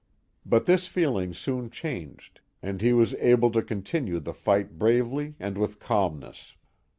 But this feeling soon changed, and he was able to continue the fight bravely and with calmness.